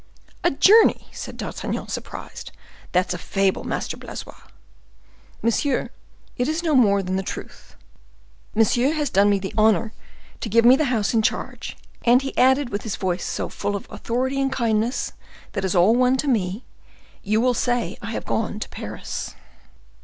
"A journey!" said D'Artagnan, surprised; "that's a fable, Master Blaisois." "Monsieur, it is no more than the truth. Monsieur has done me the honor to give me the house in charge; and he added, with his voice so full of authority and kindness—that is all one to me: 'You will say I have gone to Paris.